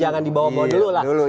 jangan dibawa bawa dulu lah